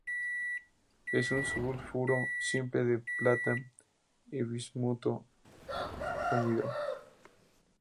Es un sulfuro simple de plata y de bismuto, anhidro.